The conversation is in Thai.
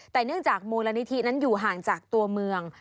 แต่เนื่องจากมูลนิธินั้นอยู่ห่างจากตัวเมือง